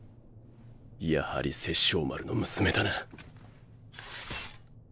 やはり殺生丸の娘だな。